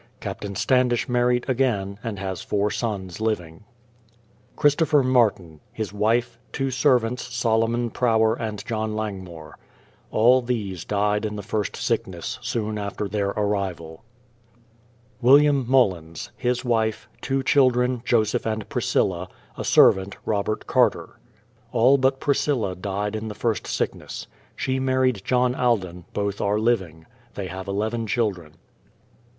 Captain Standish married again, and has four sons living. CHRISTOPHER MARTIN; his wife, two servants, SOLOMON PROWER and JOHN LANGMORE. All these died in the first sickness, soon after their arrival. WILLIAM MULLINS; his wife; two children, Joseph and Priscilla; a servant, ROBERT CARTER. All but Priscilla died in the first sickness. She married John Alden; both are living. They have eleven children.